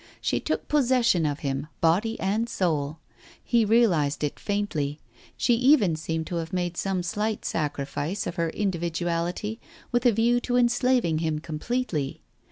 She took possession of him, body and soul. He realized it faintly. She even seemed to have made some slight sacrifice of her individuality with a view to enslaving him completely.